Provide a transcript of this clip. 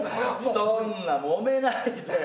そんなもめないで。